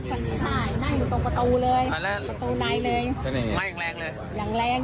ใช่นั่งอยู่ตรงประตูเลยประตูไหนเลยไม่แรงเลยอย่างแรง